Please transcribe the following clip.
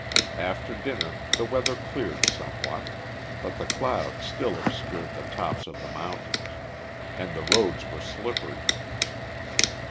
After dinner the weather cleared somewhat, but the clouds still obscured the tops of the mountains, and the roads were slippery.